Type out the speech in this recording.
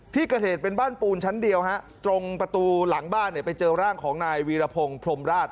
ที่เกิดเหตุเป็นบ้านปูนชั้นเดียวฮะตรงประตูหลังบ้านเนี่ยไปเจอร่างของนายวีรพงศ์พรมราช